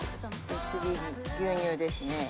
次に牛乳ですね。